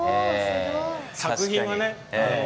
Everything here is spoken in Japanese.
作品はね